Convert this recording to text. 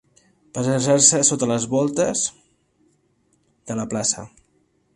Passejar-se sota les voltes de la plaça.